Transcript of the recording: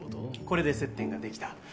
これで接点ができた。